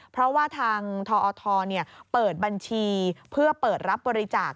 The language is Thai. เพราะว่าทางทอทเปิดบัญชีเพื่อเปิดรับบริจาค